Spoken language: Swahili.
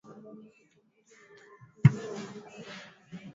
wataalamu waandishi wataalam wanafanya mahojihano mazuri sana